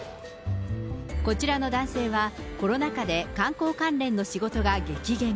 こちらの男性は、コロナ禍で観光関連の仕事が激減。